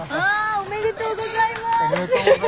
おめでとうございます。